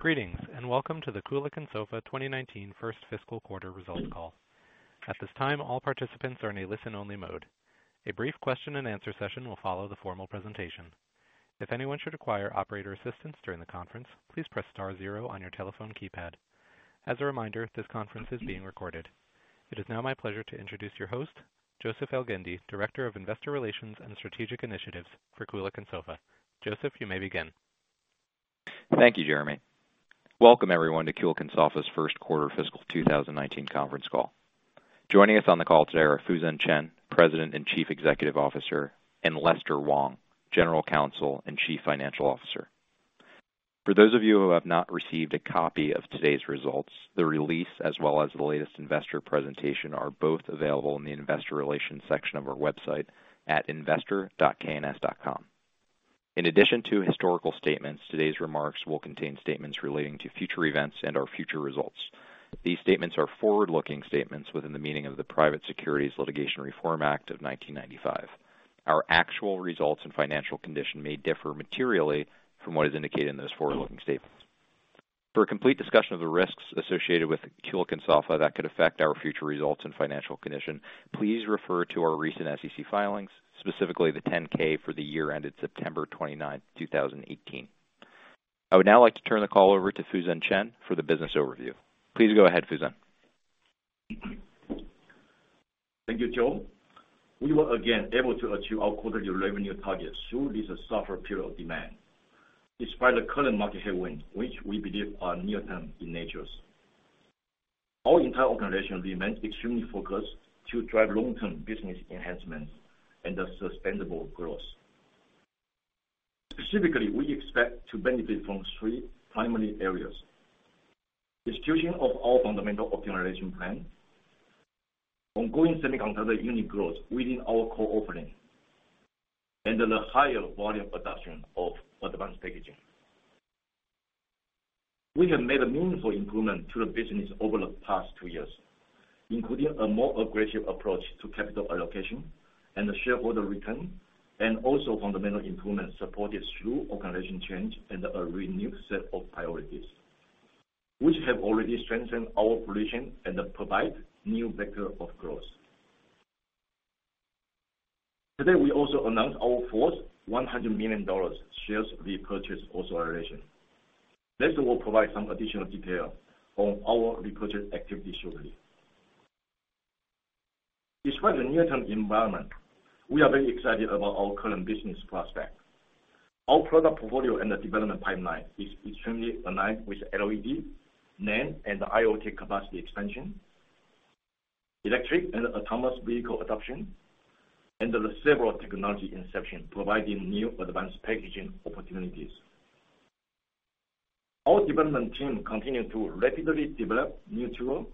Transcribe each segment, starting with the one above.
Greetings, welcome to the Kulicke and Soffa 2019 first fiscal quarter results call. At this time, all participants are in a listen-only mode. A brief question and answer session will follow the formal presentation. If anyone should require operator assistance during the conference, please press star zero on your telephone keypad. As a reminder, this conference is being recorded. It is now my pleasure to introduce your host, Joseph Elgindy, Director of Investor Relations and Strategic Initiatives for Kulicke and Soffa. Joseph, you may begin. Thank you, Jeremy. Welcome everyone to Kulicke and Soffa's first quarter fiscal 2019 conference call. Joining us on the call today are Fusen Chen, President and Chief Executive Officer, and Lester Wong, General Counsel and Chief Financial Officer. For those of you who have not received a copy of today's results, the release as well as the latest investor presentation are both available in the investor relations section of our website at investor.kns.com. In addition to historical statements, today's remarks will contain statements relating to future events and/or future results. These statements are forward-looking statements within the meaning of the Private Securities Litigation Reform Act of 1995. For a complete discussion of the risks associated with Kulicke and Soffa that could affect our future results and financial condition, please refer to our recent SEC filings, specifically the 10-K for the year ended September 29, 2018. I would now like to turn the call over to Fusen Chen for the business overview. Please go ahead, Fusen. Thank you, Joe. We were again able to achieve our quarterly revenue targets through this tougher period of demand. Despite the current market headwinds, which we believe are near-term in nature. Our entire organization remains extremely focused to drive long-term business enhancements and the sustainable growth. Specifically, we expect to benefit from three primary areas. Execution of our fundamental optimization plan, ongoing semiconductor unit growth within our core offerings, and the higher volume production of advanced packaging. We have made a meaningful improvement to the business over the past two years, including a more aggressive approach to capital allocation and shareholder return, and also fundamental improvements supported through organizational change and a renewed set of priorities, which have already strengthened our position and provide new vectors of growth. Today, we also announced our fourth $100 million shares repurchase authorization. Lester will provide some additional detail on our repurchase activity shortly. Despite the near-term environment, we are very excited about our current business prospects. Our product portfolio and the development pipeline is extremely aligned with LED, NAND, and IoT capacity expansion, electric and autonomous vehicle adoption, and several technology inception providing new advanced packaging opportunities. Our development team continue to rapidly develop new tools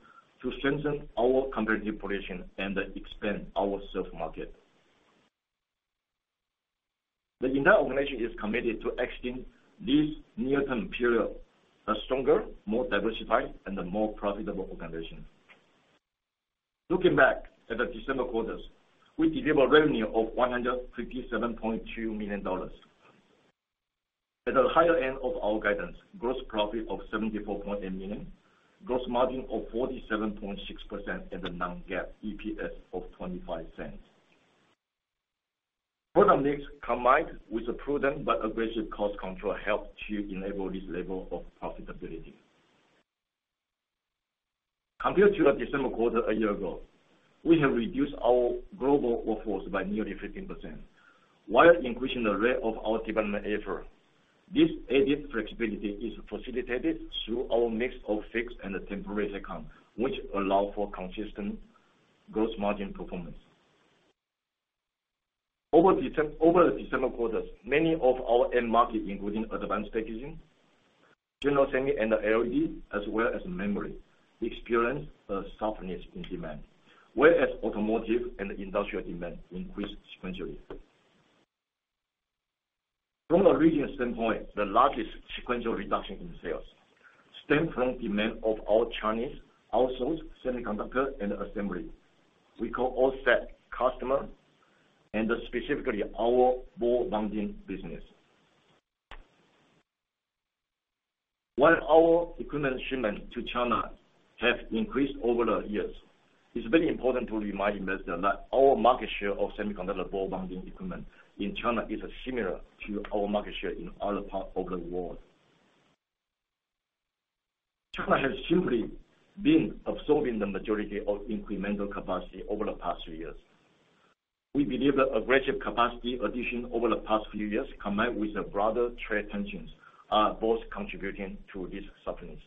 to strengthen our competitive position and expand our served market. The entire organization is committed to exiting this near-term period a stronger, more diversified, and a more profitable organization. Looking back at the December quarter, we delivered revenue of $157.2 million. At the higher end of our guidance, gross profit of $74.8 million, gross margin of 47.6%, and a non-GAAP EPS of $0.25. Product mix, combined with a prudent but aggressive cost control, helped to enable this level of profitability. Compared to the December quarter a year ago, we have reduced our global workforce by nearly 15%, while increasing the rate of our development effort. This added flexibility is facilitated through our mix of fixed and temporary headcount, which allow for consistent gross margin performance. Over the December quarter, many of our end markets, including advanced packaging, general semi, and LED, as well as memory, experienced a softness in demand. Whereas automotive and industrial demand increased sequentially. From a regional standpoint, the largest sequential reduction in sales stemmed from demand of our Chinese outsourced semiconductor and assembly. We call OSAT customer, and specifically our ball bonding business. While our equipment shipments to China have increased over the years, it's very important to remind investors that our market share of semiconductor ball bonding equipment in China is similar to our market share in other parts of the world. China has simply been absorbing the majority of incremental capacity over the past few years. We believe that aggressive capacity addition over the past few years, combined with the broader trade tensions, are both contributing to this softness.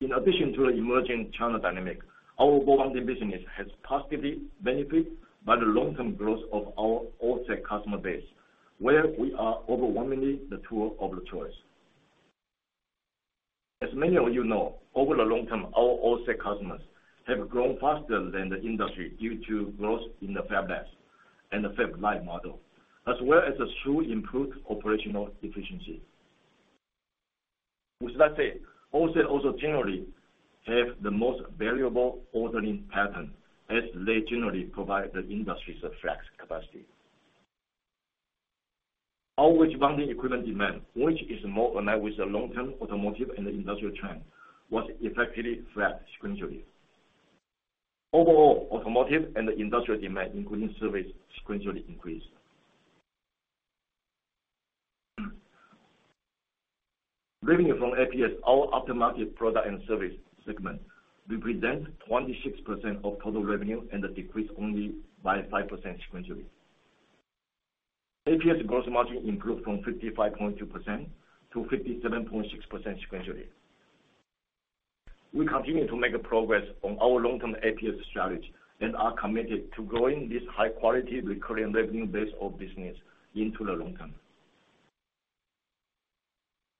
In addition to the emerging China dynamic, our ball bonding business has positively benefited by the long-term growth of our OSAT customer base, where we are overwhelmingly the tool of choice. As many of you know, over the long term, our OSAT customers have grown faster than the industry due to growth in the fabless and the fab-lite model, as well as through improved operational efficiency, which let's say, also generally have the most variable ordering pattern as they generally provide the industry's flex capacity. Our wedge bonding equipment demand, which is more aligned with the long-term automotive and industrial trend, was effectively flat sequentially. Overall, automotive and industrial demand, including service, sequentially increased. Revenue from APS, our aftermarket product and service segment, represents 26% of total revenue and decreased only by 5% sequentially. APS gross margin improved from 55.2% to 57.6% sequentially. We continue to make progress on our long-term APS strategy and are committed to growing this high-quality recurring revenue base of business into the long term.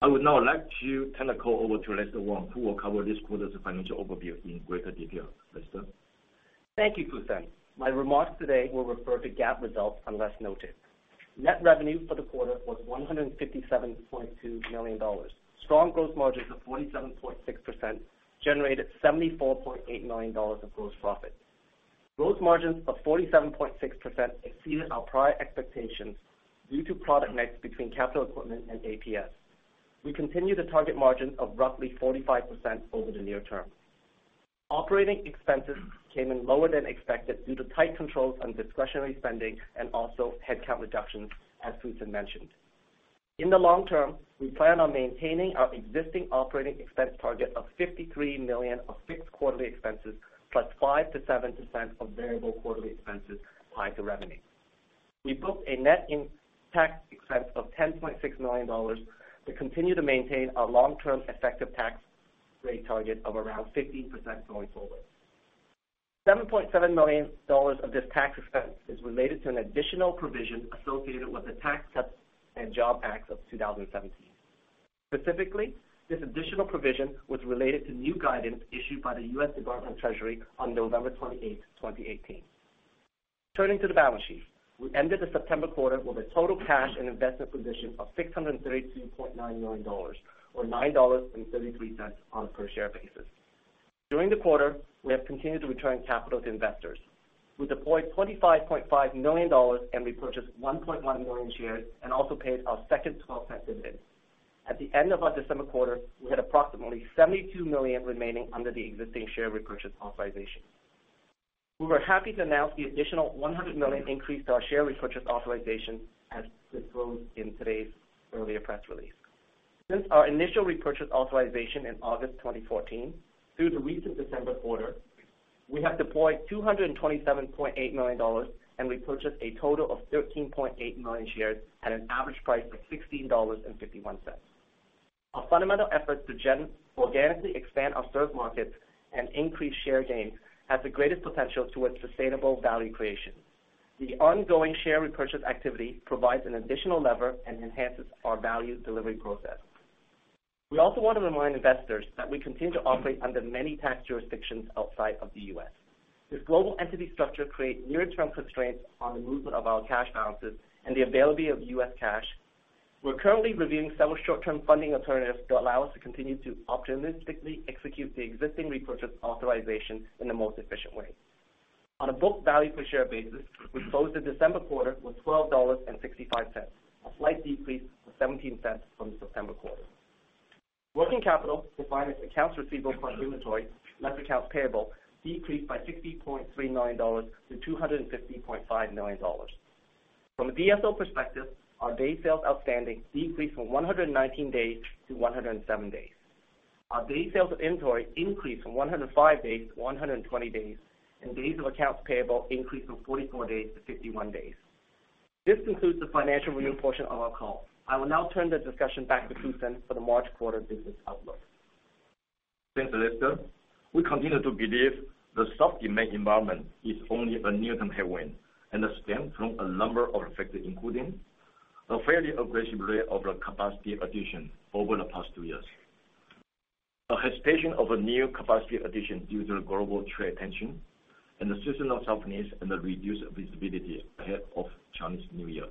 I would now like to turn the call over to Lester Wong, who will cover this quarter's financial overview in greater detail. Lester? Thank you, Fusen Chen. My remarks today will refer to GAAP results unless noted. Net revenue for the quarter was $157.2 million. Strong gross margins of 47.6% generated $74.8 million of gross profit. Gross margins of 47.6% exceeded our prior expectations due to product mix between capital equipment and APS. We continue to target margin of roughly 45% over the near term. Operating expenses came in lower than expected due to tight controls on discretionary spending and also headcount reductions, as Fusen Chen mentioned. In the long term, we plan on maintaining our existing operating expense target of $53 million of fixed quarterly expenses plus 5%-7% of variable quarterly expenses applied to revenue. We booked a net in tax expense of $10.6 million to continue to maintain our long-term effective tax rate target of around 15% going forward. $7.7 million of this tax expense is related to an additional provision associated with the Tax Cuts and Jobs Act of 2017. Specifically, this additional provision was related to new guidance issued by the U.S. Department of Treasury on November 28th, 2018. Turning to the balance sheet. We ended the September quarter with a total cash and investment position of $632.9 million, or $9.33 on a per share basis. During the quarter, we have continued to return capital to investors. We deployed $25.5 million, and repurchased 1.1 million shares, and also paid our second $0.12 dividend. At the end of our December quarter, we had approximately $72 million remaining under the existing share repurchase authorization. We were happy to announce the additional $100 million increase to our share repurchase authorization as disclosed in today's earlier press release. Since our initial repurchase authorization in August 2014 through the recent December quarter, we have deployed $227.8 million and repurchased a total of 13.8 million shares at an average price of $16.51. Our fundamental effort to organically expand our served markets and increase share gains has the greatest potential towards sustainable value creation. The ongoing share repurchase activity provides an additional lever and enhances our value delivery process. We also want to remind investors that we continue to operate under many tax jurisdictions outside of the U.S. This global entity structure creates near-term constraints on the movement of our cash balances and the availability of U.S. cash. We're currently reviewing several short-term funding alternatives to allow us to continue to optimistically execute the existing repurchase authorization in the most efficient way. On a book value per share basis, we closed the December quarter with $12.65, a slight decrease of $0.17 from the September quarter. Working capital, defined as accounts receivable plus inventory, less accounts payable, decreased by $60.3 million to $250.5 million. From a DSO perspective, our day sales outstanding decreased from 119 days-107 days. Our day sales of inventory increased from 105 days-120 days, and days of accounts payable increased from 44 days-51 days. This concludes the financial review portion of our call. I will now turn the discussion back to Fusen Chen for the March quarter business outlook. Thanks, Lester. We continue to believe the soft demand environment is only a near-term headwind, and it stems from a number of factors, including a fairly aggressive rate of capacity addition over the past two years. A hesitation of a new capacity addition due to global trade tension, and the seasonal softness, and the reduced visibility ahead of Chinese New Year.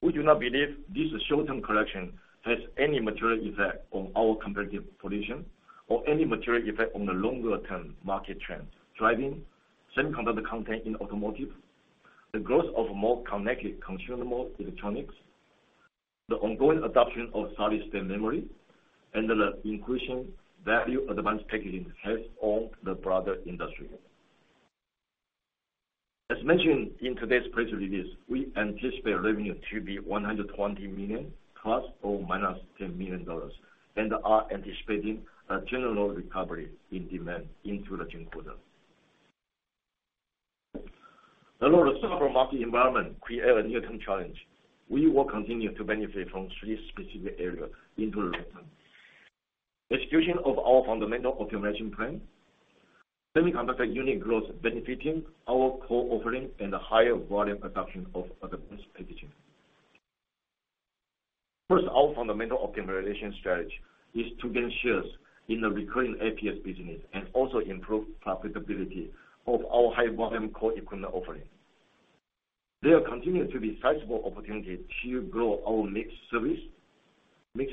We do not believe this short-term correction has any material effect on our competitive position or any material effect on the longer-term market trends, driving semiconductor content in automotive, the growth of more connected consumer electronics, the ongoing adoption of solid state memory, and the increasing value advanced packaging has on the broader industry. As mentioned in today's press release, we anticipate revenue to be $120 million ± $10 million. Are anticipating a general recovery in demand into the June quarter. Although the softer market environment creates a near-term challenge, we will continue to benefit from three specific areas into the long term. Execution of our fundamental optimization plan, semiconductor unit growth benefiting our core offerings, and higher volume adoption of advanced packaging. First, our fundamental optimization strategy is to gain shares in the recurring APS business and also improve profitability of our high-volume core equipment offerings. There continue to be sizable opportunities to grow our mix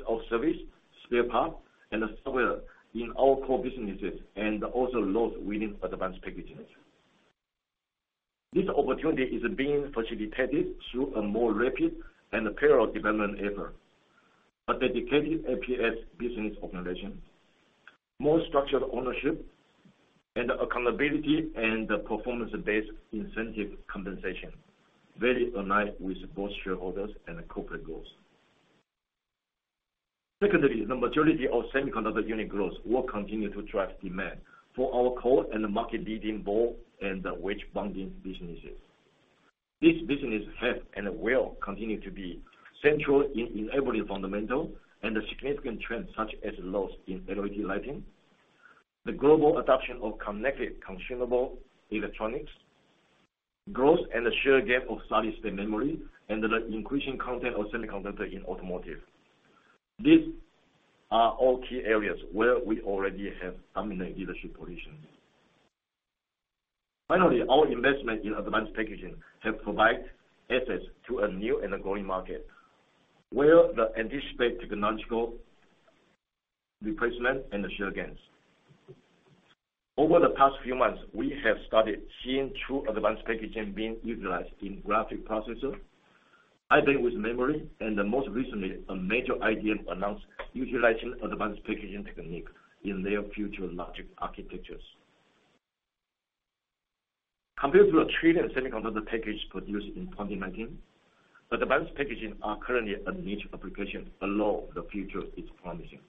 of service, spare parts, and software in our core businesses and also those winning advanced packaging. This opportunity is being facilitated through a more rapid and parallel development effort. A dedicated APS business organization, more structured ownership and accountability, and performance-based incentive compensation, very aligned with both shareholders and corporate goals. Secondly, the maturity of semiconductor unit growth will continue to drive demand for our core and market-leading ball bond and wedge bonding businesses. These businesses have and will continue to be central in enabling fundamental and significant trends such as those in LED lighting, the global adoption of connected consumable electronics, growth and share gain of solid state memory, and the increasing content of semiconductor in automotive. These are all key areas where we already have dominant leadership positions. Finally, our investment in advanced packaging has provided access to a new and growing market, where the anticipated technological replacement and share gains. Over the past few months, we have started seeing true advanced packaging being utilized in graphic processors, high bandwidth memory, and most recently, a major IDM announced utilizing advanced packaging technique in their future logic architectures. Compared to the 1 trillion semiconductor packages produced in 2019, advanced packaging are currently a niche application, although the future is promising.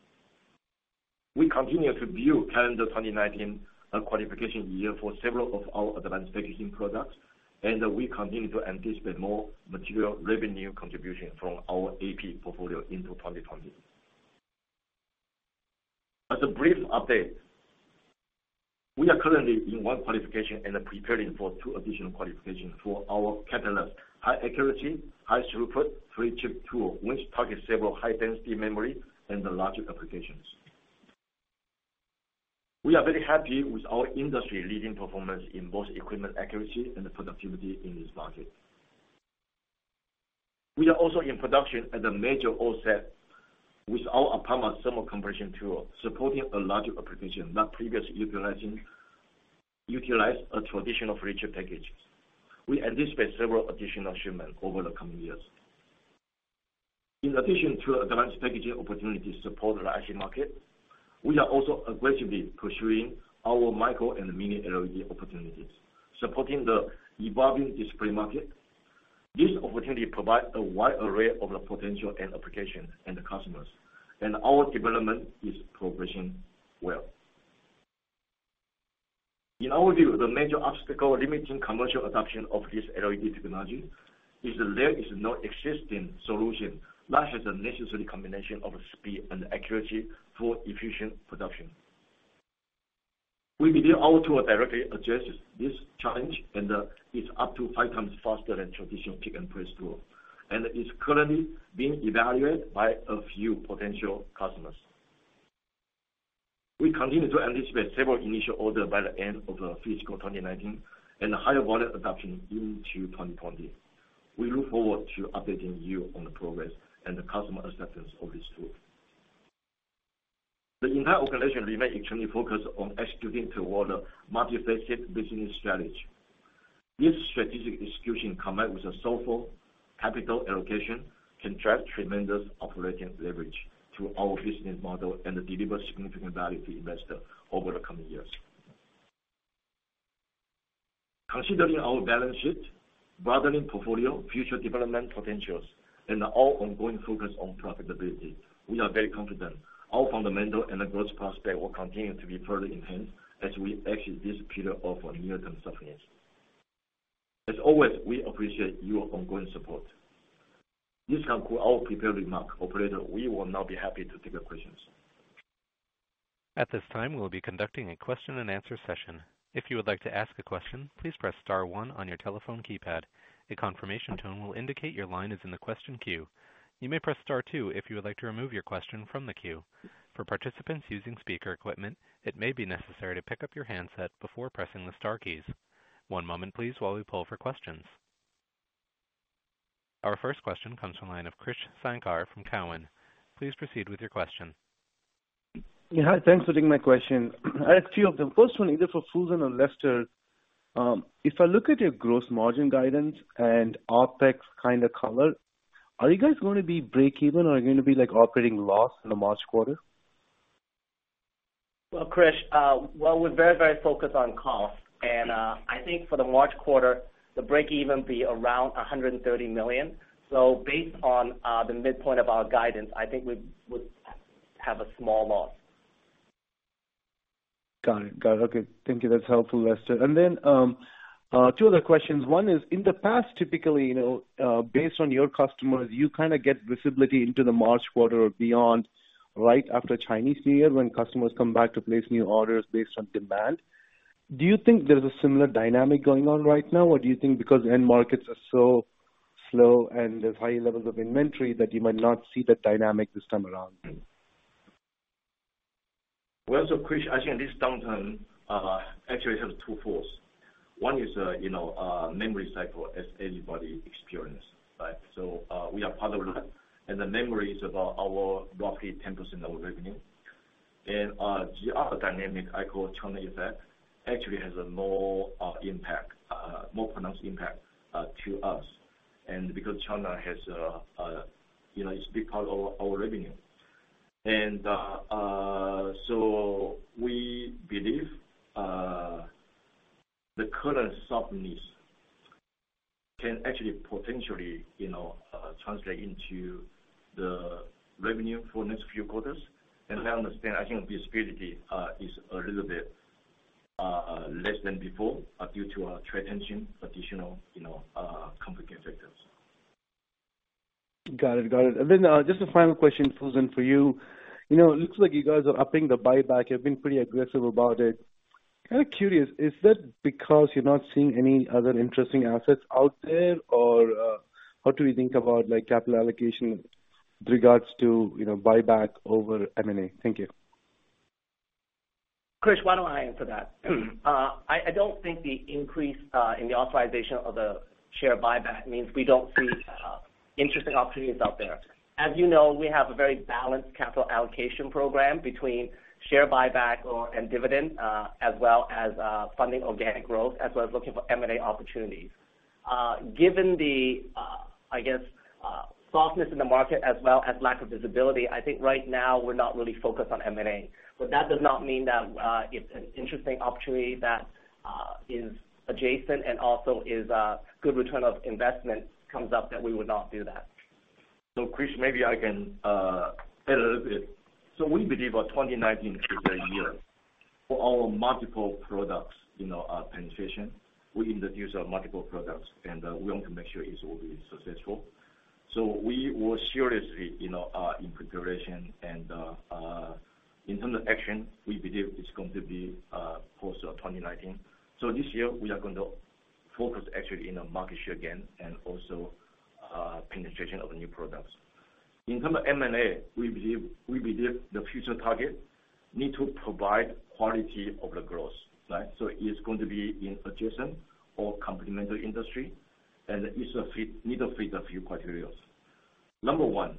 We continue to view calendar 2019 a qualification year for several of our advanced packaging products, and we continue to anticipate more material revenue contribution from our AP portfolio into 2020. As a brief update, we are currently in one qualification and are preparing for two additional qualifications for our Katalyst high accuracy, high throughput flip-chip tool, which targets several high-density memory and logic applications. We are very happy with our industry-leading performance in both equipment accuracy and productivity in this market. We are also in production at a major OSAT with our APAMA thermo-compression tool, supporting a logic application not previously utilized a traditional flip chip package. We anticipate several additional shipments over the coming years. In addition to advanced packaging opportunities to support the LED market, we are also aggressively pursuing our micro and mini LED opportunities, supporting the evolving display market. This opportunity provides a wide array of potential end applications and customers, and our development is progressing well. In our view, the major obstacle limiting commercial adoption of this LED technology is that there is no existing solution that has the necessary combination of speed and accuracy for efficient production. We believe our tool directly addresses this challenge and is up to 5 times faster than traditional pick-and-place tools, and is currently being evaluated by a few potential customers. We continue to anticipate several initial orders by the end of fiscal 2019 and higher volume adoption into 2020. We look forward to updating you on the progress and the customer acceptance of this tool. The entire organization remains extremely focused on executing toward a multifaceted business strategy. This strategic execution, combined with thoughtful capital allocation, can drive tremendous operations leverage through our business model and deliver significant value to investors over the coming years. Considering our balance sheet, broadening portfolio, future development potentials, and our ongoing focus on profitability, we are very confident our fundamentals and growth prospects will continue to be further enhanced as we exit this period of near-term softness. As always, we appreciate your ongoing support. This concludes our prepared remarks. Operator, we will now be happy to take your questions. At this time, we will be conducting a question and answer session. If you would like to ask a question, please press star one on your telephone keypad. A confirmation tone will indicate your line is in the question queue. You may press star two if you would like to remove your question from the queue. For participants using speaker equipment, it may be necessary to pick up your handset before pressing the star keys. One moment please while we poll for questions. Our first question comes from the line of Krish Sankar from Cowen. Please proceed with your question. Yeah. Hi. Thanks for taking my question. I have a few of them. First one is for Fusen or Lester. If I look at your gross margin guidance and OpEx kind of covered, are you guys going to be breakeven, or are you going to be operating at a loss in the March quarter? Well, Krish, we're very focused on cost, and I think for the March quarter, the breakeven will be around $130 million. Based on the midpoint of our guidance, I think we would have a small loss. Got it. Okay. Thank you. That's helpful, Lester. Then, two other questions. One is, in the past, typically, based on your customers, you kind of get visibility into the March quarter or beyond right after Chinese New Year when customers come back to place new orders based on demand. Do you think there's a similar dynamic going on right now? Or do you think because end markets are so slow and there's high levels of inventory, that you might not see that dynamic this time around? Well, Krish, I think this downturn actually has two forces. One is memory cycle as everybody experiences, right? We are part of that. The memory is about our roughly 10% of our revenue. The other dynamic I call China effect, actually has a more pronounced impact to us. Because China is a big part of our revenue. We believe the current softness can actually potentially translate into the revenue for next few quarters. I understand, I think visibility is a little bit less than before due to our trade tension, additional complicated factors. Got it. Then, just a final question, Fusen, for you. It looks like you guys are upping the buyback. You've been pretty aggressive about it. Kind of curious, is that because you're not seeing any other interesting assets out there? Or what do we think about capital allocation with regards to buyback over M&A? Thank you. Krish, why don't I answer that? I don't think the increase in the authorization of the share buyback means we don't see interesting opportunities out there. As you know, we have a very balanced capital allocation program between share buyback and dividend, as well as funding organic growth, as well as looking for M&A opportunities. Given the, I guess, softness in the market as well as lack of visibility, I think right now we're not really focused on M&A. That does not mean that if an interesting opportunity that is adjacent and also is a good return of investment comes up that we would not do that. Krish, maybe I can add a little bit. We believe 2019 is the year for our multiple products penetration. We introduced multiple products, and we want to make sure it will be successful. We were seriously in preparation and in terms of action, we believe it's going to be post 2019. This year, we are going to focus actually in our market share again, and also penetration of new products. In terms of M&A, we believe the future target need to provide quality of the growth, right? It is going to be in adjacent or complementary industry, and it need to fit a few criterias. Number 1,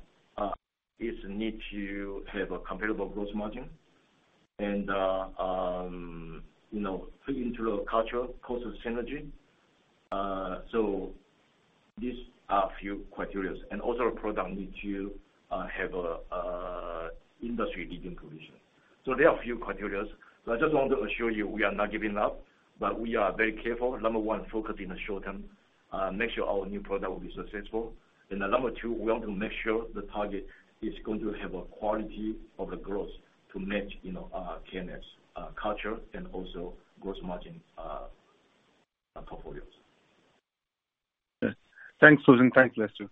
it need to have a comparable gross margin and fit into the culture, cost and synergy. These are few criterias. Also, a product need to have industry leading position. There are a few criterias. I just want to assure you, we are not giving up, but we are very careful. Number 1, focus in the short term, make sure our new product will be successful. Number 2, we want to make sure the target is going to have a quality of the growth to match KNS culture and also growth margin portfolios. Thanks, Fusen. Thanks, Lester.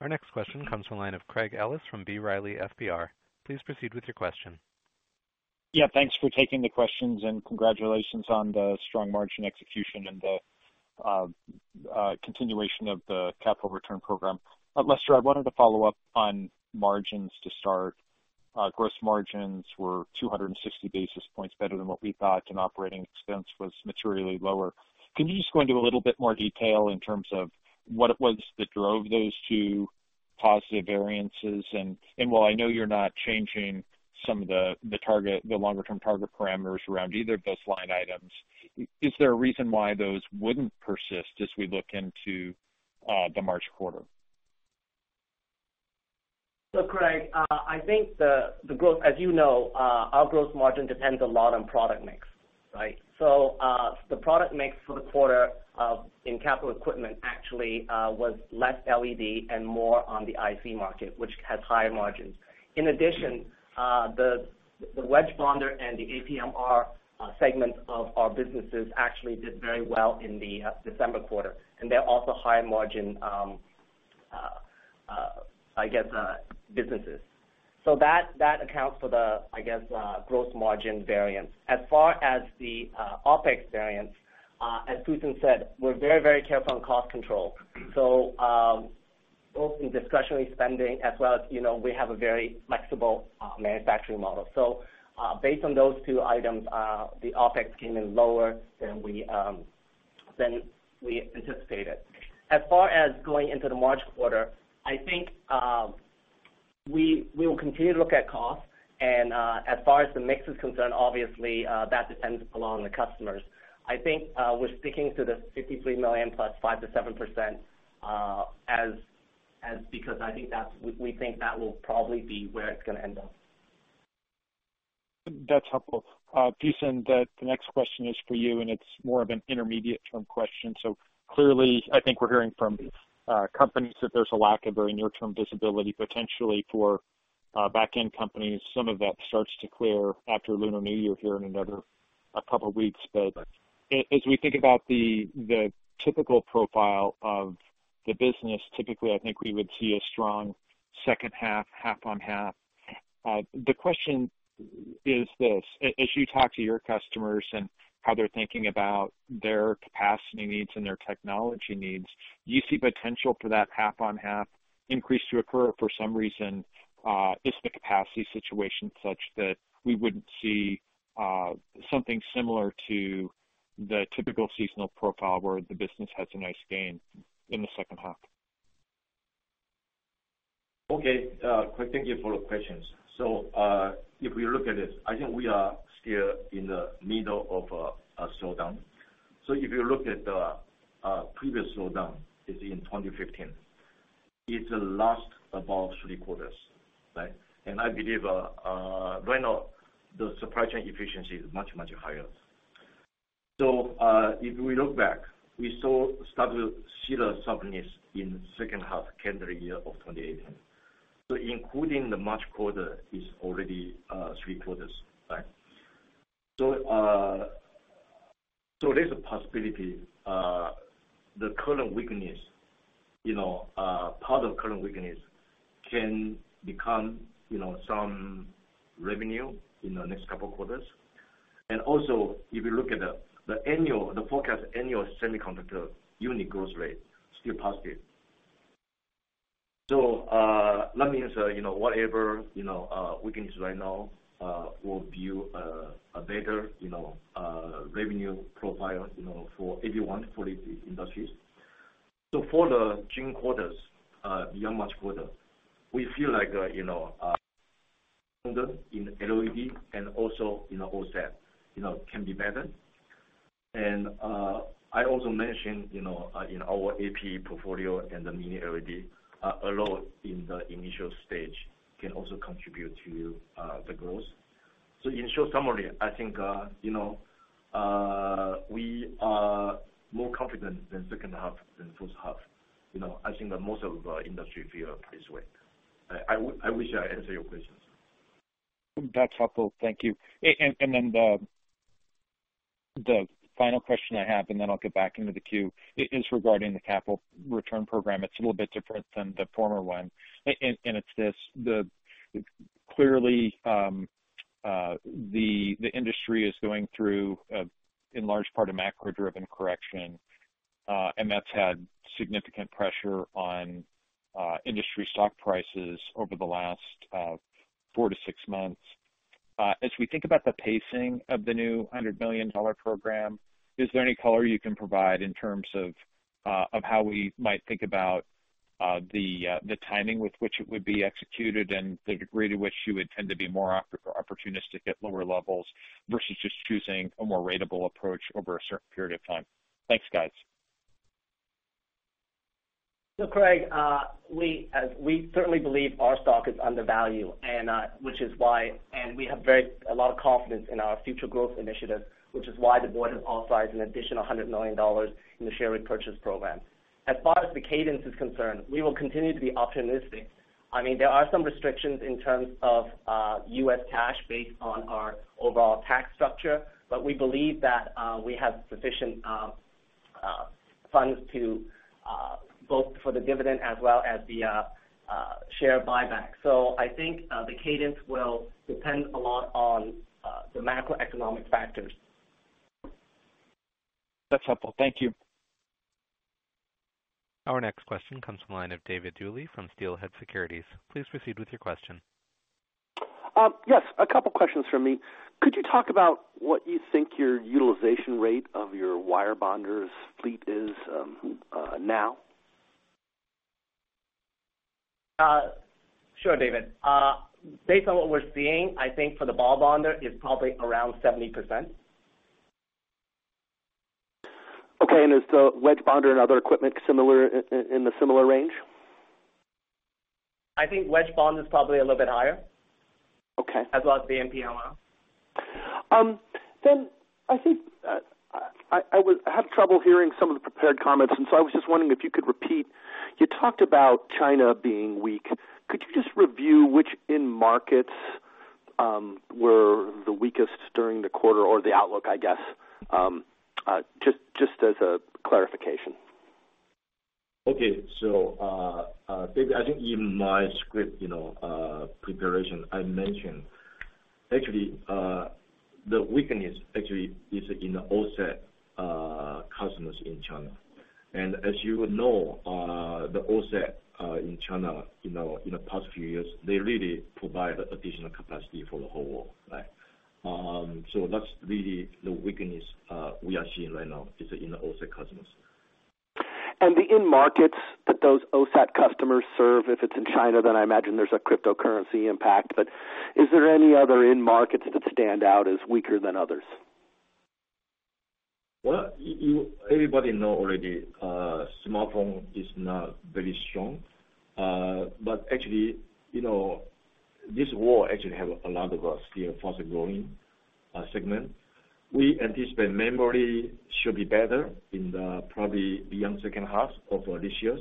Our next question comes from the line of Craig Ellis from B. Riley FBR. Please proceed with your question. Yeah. Thanks for taking the questions and congratulations on the strong margin execution and the continuation of the capital return program. Lester, I wanted to follow up on margins to start. Gross margins were 260 basis points better than what we thought, and operating expense was materially lower. Can you just go into a little bit more detail in terms of what it was that drove those two positive variances? While I know you're not changing some of the longer-term target parameters around either of those line items, is there a reason why those wouldn't persist as we look into the March quarter? Craig, I think the growth, as you know, our gross margin depends a lot on product mix, right? The product mix for the quarter in capital equipment actually, was less LED and more on the IC market, which has higher margins. In addition, the wedge bonder and the APMR segments of our businesses actually did very well in the December quarter, and they're also high margin, I guess, businesses. That accounts for the, I guess, growth margin variance. As far as the OpEx variance, as Fusen said, we're very careful on cost control. Both in discretionary spending as well as we have a very flexible manufacturing model. Based on those two items, the OpEx came in lower than we anticipated. As far as going into the March quarter, I think, we will continue to look at cost. As far as the mix is concerned, obviously, that depends upon the customers. I think, we're sticking to the $53 million plus 5%-7%, because we think that will probably be where it's going to end up. That's helpful. Fusen, the next question is for you, and it's more of an intermediate term question. Clearly, I think we're hearing from companies that there's a lack of very near-term visibility, potentially for back-end companies. Some of that starts to clear after Lunar New Year here in another, a couple of weeks. As we think about the typical profile of the business, typically, I think we would see a strong second half-on-half. The question is this: as you talk to your customers and how they're thinking about their capacity needs and their technology needs, do you see potential for that half-on-half increase to occur for some reason? Is the capacity situation such that we wouldn't see something similar to the typical seasonal profile where the business has a nice gain in the second half? Okay. Craig, thank you for the questions. If we look at it, I think we are still in the middle of a slowdown. If you look at the previous slowdown, it's in 2015. It last about three quarters, right? I believe right now, the supply chain efficiency is much, much higher. If we look back, we start to see the softness in second half calendar year of 2018. Including the March quarter, it's already three quarters. There's a possibility the current weakness, part of current weakness can become some revenue in the next couple of quarters. Also, if you look at the forecast annual semiconductor unit growth rate, still positive. That means, whatever weakness right now, will view a better revenue profile for everyone, for these industries. For the June quarters, beyond March quarter, we feel like in LED and also in OSAT can be better. I also mentioned, in our AP portfolio and the mini-LED are low in the initial stage, can also contribute to the growth. In short summary, I think, we are more confident than second half than first half. I think that most of the industry feel this way. I wish I answered your questions. That's helpful. Thank you. The final question I have, and then I'll get back into the queue, is regarding the capital return program. It's a little bit different than the former one, and it's this: clearly, the industry is going through, in large part, a macro-driven correction, and that's had significant pressure on industry stock prices over the last four to six months. As we think about the pacing of the new $100 million program, is there any color you can provide in terms of how we might think about the timing with which it would be executed and the degree to which you would tend to be more opportunistic at lower levels versus just choosing a more ratable approach over a certain period of time? Thanks, guys. Craig, we certainly believe our stock is undervalued, and we have a lot of confidence in our future growth initiatives, which is why the board has authorized an additional $100 million in the share repurchase program. As far as the cadence is concerned, we will continue to be opportunistic. There are some restrictions in terms of U.S. cash based on our overall tax structure, but we believe that we have sufficient funds both for the dividend as well as the share buyback. I think, the cadence will depend a lot on the macroeconomic factors. That's helpful. Thank you. Our next question comes from the line of David Duley from Steelhead Securities. Please proceed with your question. Yes, a couple questions from me. Could you talk about what you think your utilization rate of your wire bonders fleet is now? Sure, David Duley. Based on what we're seeing, I think for the ball bonder, it's probably around 70%. Okay. Is the wedge bonder and other equipment in the similar range? I think wedge bonder is probably a little bit higher. Okay. As well as the APMR. I think, I had trouble hearing some of the prepared comments, I was just wondering if you could repeat. You talked about China being weak. Could you just review which end markets were the weakest during the quarter or the outlook, I guess, just as a clarification. Okay. David, I think in my script preparation, I mentioned, actually, the weakness actually is in the OSAT customers in China. As you would know, the OSAT in China in the past few years, they really provide additional capacity for the whole world. That's really the weakness, we are seeing right now is in the OSAT customers. The end markets that those OSAT customers serve, if it's in China, I imagine there's a cryptocurrency impact. Is there any other end markets that stand out as weaker than others? Well, everybody know already, smartphone is not very strong. Actually, this world actually have a lot of still faster growing segment. We anticipate memory should be better in the, probably beyond second half of this year.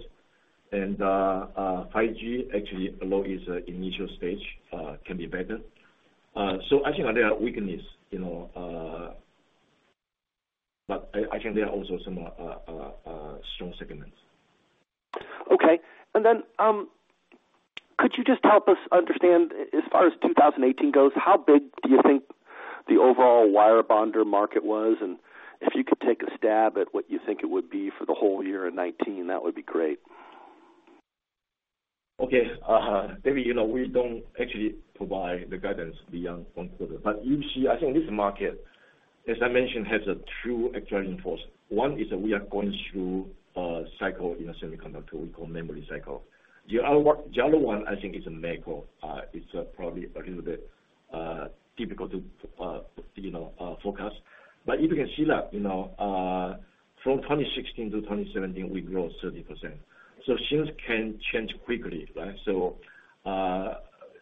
5G, actually although is initial stage, can be better. I think there are weakness. I think there are also some strong segments. Okay. Then, could you just help us understand as far as 2018 goes, how big do you think the overall wire bonder market was? If you could take a stab at what you think it would be for the whole year in 2019, that would be great. Okay. David, we don't actually provide the guidance beyond one quarter. You see, I think this market, as I mentioned, has a true external force. One is that we are going through a cycle in a semiconductor, we call memory cycle. The other one, I think, is macro. It's probably a little bit difficult to forecast. If you can see that, from 2016 to 2017, we grew 30%. Things can change quickly, right?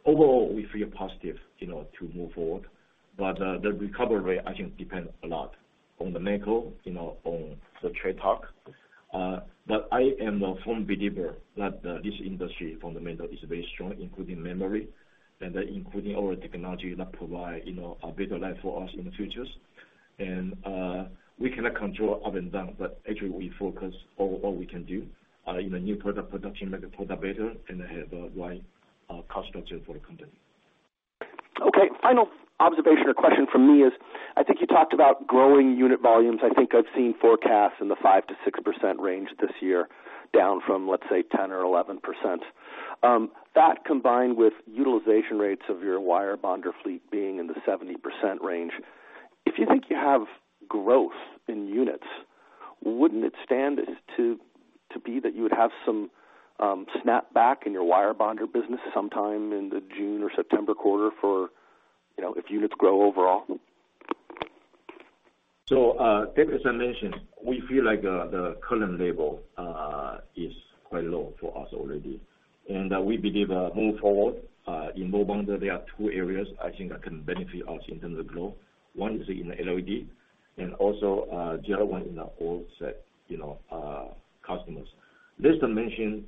Overall, we feel positive to move forward. The recovery, I think, depends a lot on the macro, on the trade talk. I am a firm believer that this industry fundamental is very strong, including memory, and including our technology that provide a better life for us in the future. We cannot control up and down, actually, we focus on what we can do, in the new product production, make the product better, and have the right cost structure for the company. Okay. Final observation or question from me is, I think you talked about growing unit volumes. I think I've seen forecasts in the 5%-6% range this year, down from, let's say, 10% or 11%. That combined with utilization rates of your wire bonder fleet being in the 70% range. If you think you have growth in units, wouldn't it stand to be that you would have some snap back in your wire bonder business sometime in the June or September quarter for, if units grow overall? David, as I mentioned, we feel like the current level is quite low for us already. We believe, moving forward, in ball bonder, there are two areas I think that can benefit us in terms of growth. One is in LED and also, the other one in the OSAT customers. This dimension,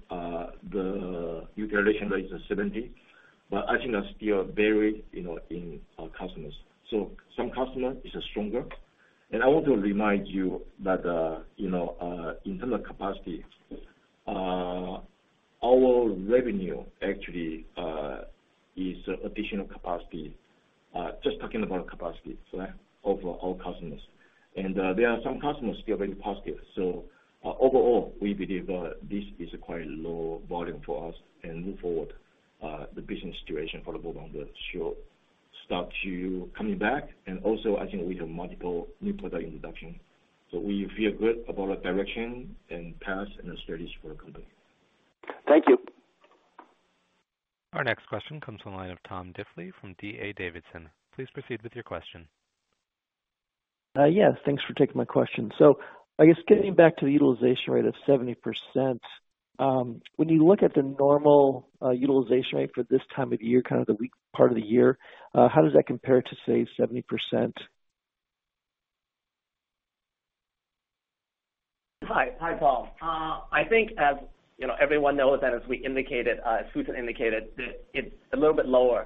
the utilization rate is 70%, but I think that's still varied in our customers. Some customer is stronger. I want to remind you that, in terms of capacity, our revenue actually is additional capacity, just talking about capacity for that, overall customers. There are some customers still very positive. Overall, we believe this is quite low volume for us and move forward, the business situation for the bonder should start to coming back. Also, I think we have multiple new product introduction. We feel good about the direction and path and the strategies for the company. Thank you. Our next question comes from the line of Tom Diffely from D.A. Davidson. Please proceed with your question. Yes. Thanks for taking my question. I guess getting back to the utilization rate of 70%, when you look at the normal utilization rate for this time of year, kind of the weak part of the year, how does that compare to, say, 70%? Hi, Tom. I think as everyone knows that as we indicated, as Fusen indicated, that it's a little bit lower.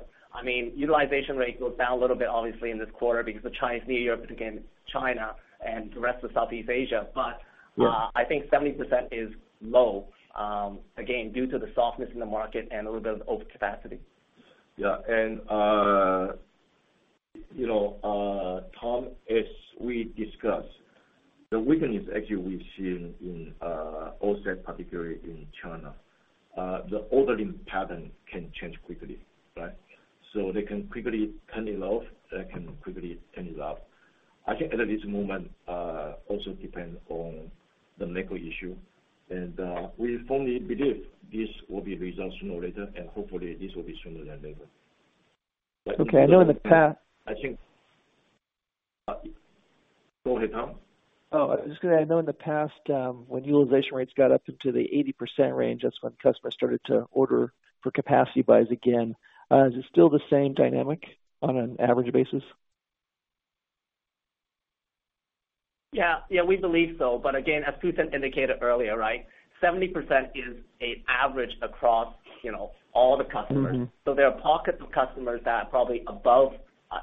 Utilization rate goes down a little bit obviously in this quarter because the Chinese New Year, but again, China and the rest of Southeast Asia. Yeah I think 70% is low, again, due to the softness in the market and a little bit of overcapacity. Yeah. Tom, as we discussed, the weakness actually we've seen in OSAT, particularly in China. The ordering pattern can change quickly, right? They can quickly turn it off, they can quickly turn it up. I think at this moment, also depends on the macro issue. We firmly believe this will be resolved sooner or later, and hopefully this will be sooner than later. Okay. I know in the past- I think Go ahead, Tom. Oh, I was just going to add, I know in the past, when utilization rates got up into the 80% range, that's when customers started to order for capacity buys again. Is it still the same dynamic on an average basis? Yeah. We believe so. Again, as Fusen indicated earlier. 70% is an average across all the customers. There are pockets of customers that are probably above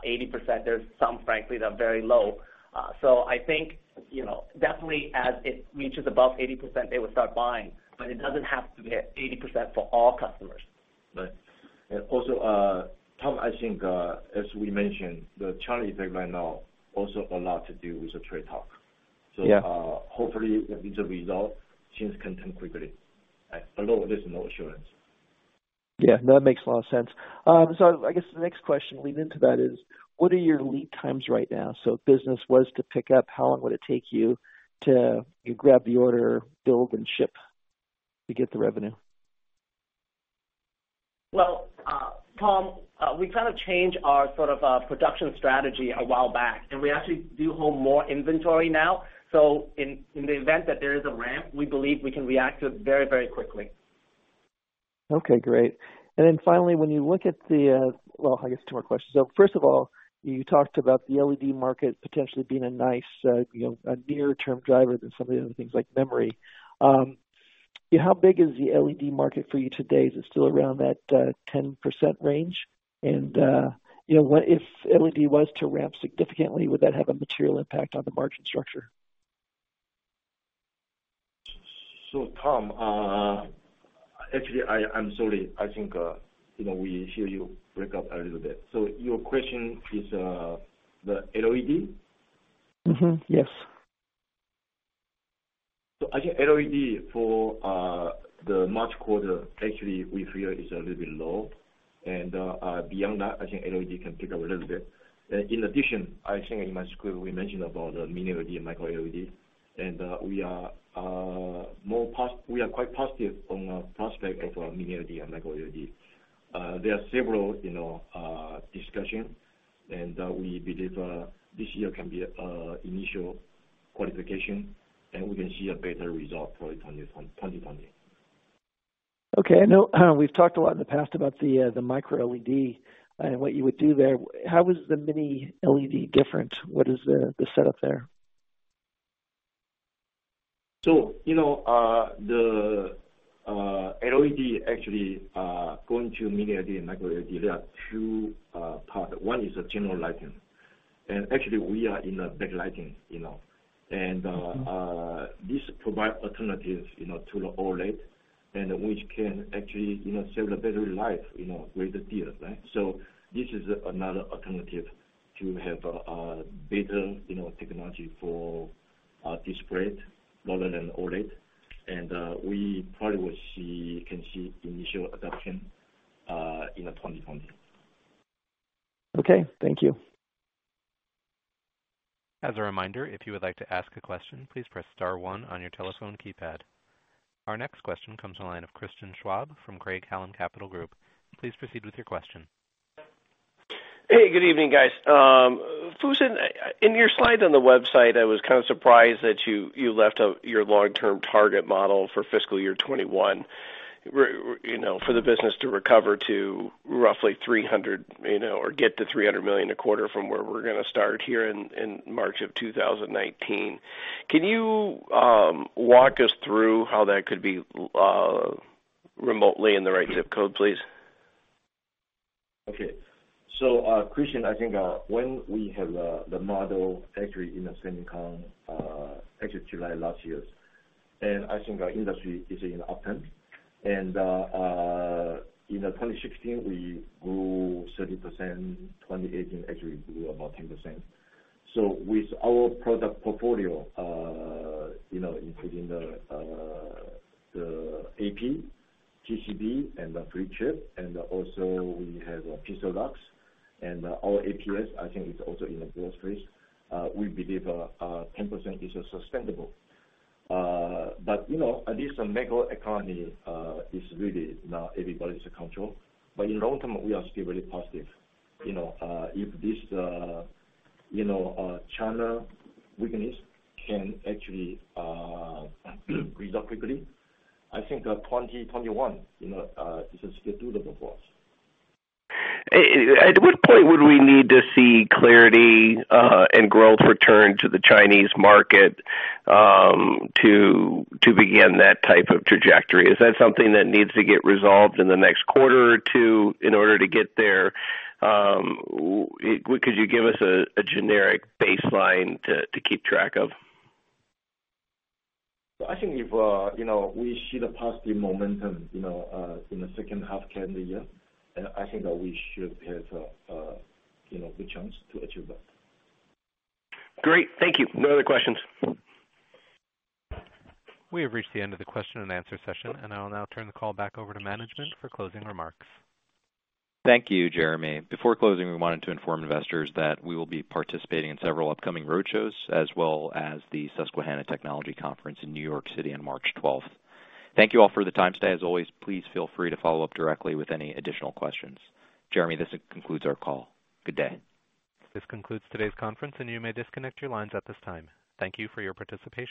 80%. There's some, frankly, that are very low. I think, definitely as it reaches above 80%, they would start buying, but it doesn't have to be at 80% for all customers. Right. Also, Tom, I think, as we mentioned, the challenge right now also a lot to do with the trade talk. Yeah. Hopefully with the result, things can turn quickly. Although there's no assurance. Yeah. No, that makes a lot of sense. I guess the next question leading into that is, what are your lead times right now? If business was to pick up, how long would it take you to grab the order, build and ship to get the revenue? Well, Tom, we kind of changed our sort of production strategy a while back, we actually do hold more inventory now. In the event that there is a ramp, we believe we can react to it very quickly. Okay, great. Finally, when you look at the Well, I guess two more questions. First of all, you talked about the LED market potentially being a nice nearer term driver than some of the other things like memory. Yeah. How big is the LED market for you today? Is it still around that 10% range? If LED was to ramp significantly, would that have a material impact on the margin structure? Tom, actually, I'm sorry. I think we hear you break up a little bit. Your question is the LED? Mm-hmm. Yes. I think LED for the March quarter, actually, we feel is a little bit low. Beyond that, I think LED can pick up a little bit. In addition, I think in my script, we mentioned about mini-LED and micro-LED, and we are quite positive on the prospect of mini-LED and micro-LED. There are several discussions, and we believe this year can be initial qualification, and we can see a better result probably 2020. Okay. I know we've talked a lot in the past about the micro-LED and what you would do there. How is the mini-LED different? What is the setup there? The LED actually, going to mini-LED and micro-LED, there are two parts. One is general lighting, and actually we are in backlighting. This provides alternatives to the OLED, and which can actually save the battery life with the tiers. This is another alternative to have better technology for display rather than OLED, and we probably can see initial adoption in 2020. Okay. Thank you. As a reminder, if you would like to ask a question, please press star one on your telephone keypad. Our next question comes to the line of Christian Schwab from Craig-Hallum Capital Group. Please proceed with your question. Hey, good evening, guys. Fusen, in your slide on the website, I was kind of surprised that you left your long-term target model for fiscal year 2021, for the business to recover to roughly $300 million, or get to $300 million a quarter from where we're going to start here in March of 2019. Can you walk us through how that could be remotely in the right zip code, please? Christian, I think when we have the model actually in the SEMICON, actually July last year. I think our industry is in upturn. In 2016, we grew 30%, 2018 actually we grew about 10%. With our product portfolio, including the AP, TCB, and the flip chip, and also we have PIXALUX and our APS, I think it's also in a growth phase. We believe 10% is sustainable. This macro economy is really not everybody's control. In long-term, we are still very positive. If this China weakness can actually resolve quickly, I think 2021 is still doable for us. At what point would we need to see clarity and growth return to the Chinese market to begin that type of trajectory? Is that something that needs to get resolved in the next quarter or two in order to get there? Could you give us a generic baseline to keep track of? I think if we see the positive momentum in the second half calendar year, I think that we should have a good chance to achieve that. Great. Thank you. No other questions. We have reached the end of the question and answer session, and I will now turn the call back over to management for closing remarks. Thank you, Jeremy. Before closing, we wanted to inform investors that we will be participating in several upcoming roadshows, as well as the Susquehanna Technology Conference in New York City on March 12th. Thank you all for the time today. As always, please feel free to follow up directly with any additional questions. Jeremy, this concludes our call. Good day. This concludes today's conference, and you may disconnect your lines at this time. Thank you for your participation.